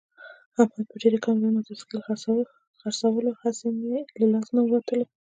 احمد په ډېره کمه بیه موټرسایکل خرڅولو، هسې مه له لاس نه ووتلو.